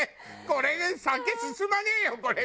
これで酒進まねえよこれ！